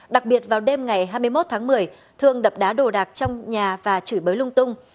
đặc biệt vào đêm ngày hai mươi một tháng một mươi thương đập đá đồ đạc trong nhà và chửi bới lung tung